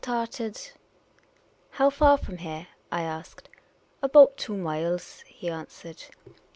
hearted." " How far from liere ?" I asked. " About two inilL'S," lie answered.